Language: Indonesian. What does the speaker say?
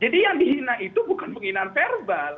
jadi yang dihina itu bukan penghinaan verbal